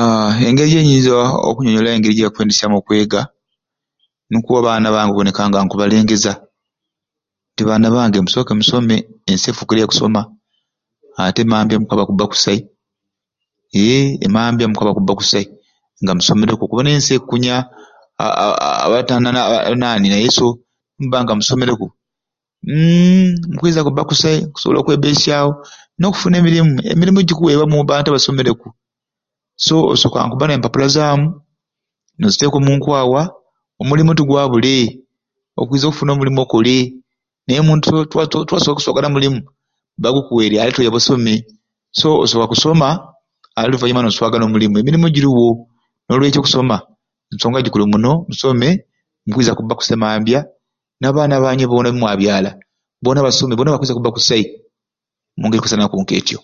Aaa engeri eyinza okunyonyola engeri ya kwendesyamu okwega nikwo abaana bange okubineka nga nkubalengeza nti baana bange musooke musome ensi efuukire ya kusoma ate emambya mukwakuba kusai eee emambya mukwaba kubba kusai nga musomereku okubona ensi ekukunya aaa abatana abatalina naani naye so nimubanga musomereku umm mukwiza kuba kusai mukusobola okwebesyawo n'okufuna emirimu, emirimu gikuweebwa mu bantu abasomereku so osookanga kubba na mpapula zaamu n'oziteeka omu nkwawa omulimu tigwabule, okwiza okufuna omulimu okole naye omuntu tiwa tiwasooke kuswagana mulimu bagukuwerye alete oyabe osome, so osooka kusoma ale oluvanyuma n'oswagana omulimu ng'emirimu girowo n'olw'ekyo okusoma nsonga gikulu muno musome mukwiza kubba kusai emambya n'abaana baanywe boona bemwabyala boona basome boona bakwiza kubba kusai omu ngeri ekwisanaku nk'etyo.